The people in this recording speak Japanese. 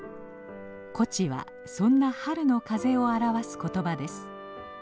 「東風」はそんな春の風を表す言葉です。